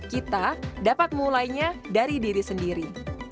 kita dapat mulainya dari diri sendiri